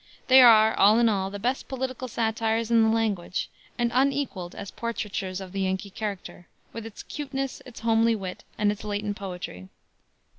They are, all in all, the best political satires in the language, and unequaled as portraitures of the Yankee character, with its 'cuteness, its homely wit, and its latent poetry.